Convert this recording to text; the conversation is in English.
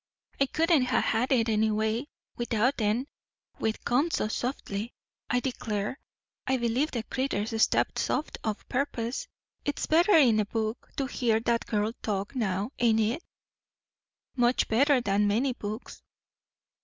"I couldn't ha' had it, anyway, withouten we'd come so softly. I declare, I believe them critters stepped soft o' purpose. It's better'n a book, to hear that girl talk, now, ain't it?" "Much better than many books."